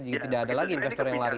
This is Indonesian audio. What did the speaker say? jika tidak ada lagi investor yang lari